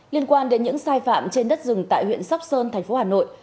liên quan đến những sai phạm trên đất rừng tại huyện sắp sơn tp hà nội